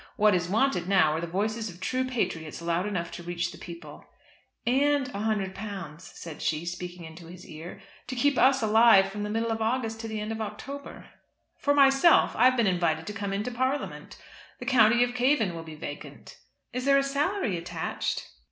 What is wanted now are the voices of true patriots loud enough to reach the people." "And £100," said she, speaking into his ear, "to keep us alive from the middle of August to the end of October." "For myself, I have been invited to come into Parliament. The County of Cavan will be vacant." "Is there a salary attached?"